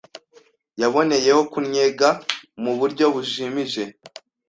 yaboneyeho kunnyega mu buryo bujimije